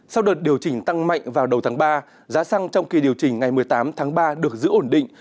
sau đợt điều chỉnh tăng mạnh vào đầu tháng ba giá xăng trong kỳ điều chỉnh ngày một mươi tám tháng ba được giữ ổn định